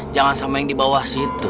jangan sama yang dibawah situ